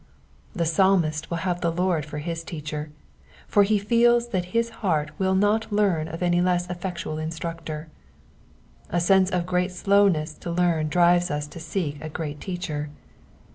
The Psalmist will have the Lord for his teacher ; for he feels that his heart will not learn of any less effectual instructor. A sense of great slowness to learn drives us to seek a great teacher.